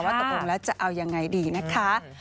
ตกลงแล้วจะเอายังไงดีนะคะ